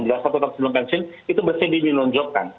ya satu tahun sebelum pensiun itu mesti dilunjukkan